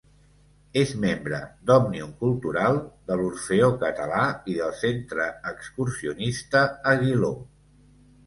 És membre d'Òmnium Cultural, de l'Orfeó Català i del Centre Excursionista Aguiló.